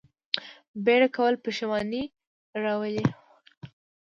بیړه کول پښیماني راوړي